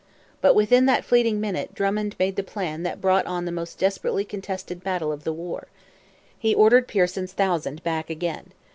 But within that fleeting minute Drummond made the plan that brought on the most desperately contested battle of the war. He ordered Pearson's thousand back again.